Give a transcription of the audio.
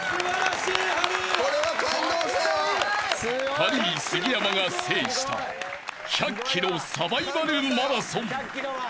［ハリー杉山が制した１００ｋｍサバイバルマラソン］